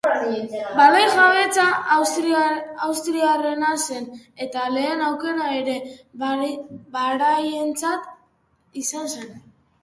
Baloi jabetza austriarrena zen eta lehen aukera ere beraientzat izan zen.